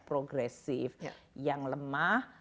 progresif yang lemah